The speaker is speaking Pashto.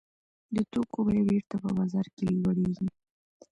د توکو بیه بېرته په بازار کې لوړېږي